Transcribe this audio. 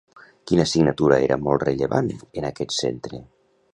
Quina assignatura era molt rellevant en aquest centre?